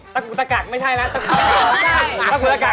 ตากุตกักไม่ใช่นะตากุตกัก